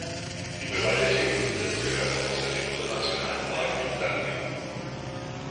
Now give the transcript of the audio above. Die bewaldete Insel gehört außerdem zum Nationalpark Vilsandi.